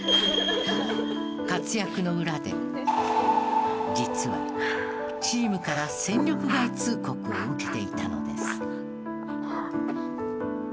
活躍の裏で実はチームから戦力外通告を受けていたのです。